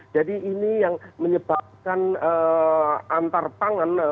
jadi ini yang menyebabkan antar pangan